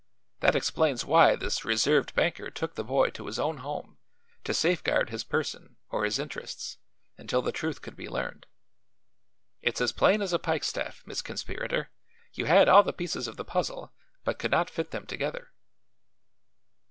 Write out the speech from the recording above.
That explains why this reserved banker took the boy to his own home, to safeguard his person or his interests until the truth could be learned. It's as plain as a pikestaff, Miss Conspirator. You had all the pieces of the puzzle, but could not fit them together."